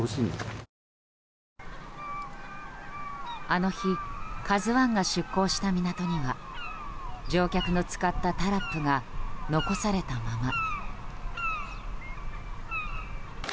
あの日、「ＫＡＺＵ１」が出港した港には乗客の使ったタラップが残されたまま。